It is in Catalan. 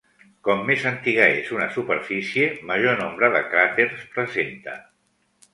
Com més antiga és una superfície, major nombre de cràters presenta.